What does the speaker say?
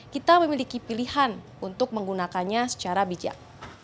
kita memiliki pilihan untuk menggunakannya secara bijak